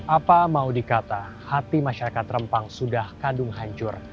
apa mau dikata hati masyarakat rempang sudah kadung hancur